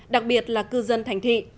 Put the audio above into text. đặc biệt là cư dân thành thị